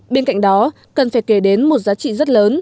bên cạnh đó cần phải kể đến một giá trị rất lớn